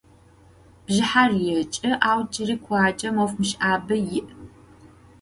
Bjjıher yêç'ı, au cıri khuacem of mış'abe yi'.